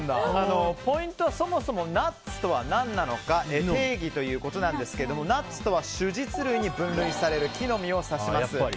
ポイントはそもそもナッツとは何なのか定義ということなんですがナッツとは種実類に分類される木の実を指します。